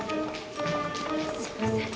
すみません。